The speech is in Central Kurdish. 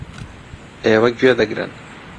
ئێوە گوێ دەگرن.